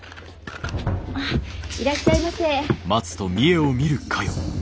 あっいらっしゃいませ。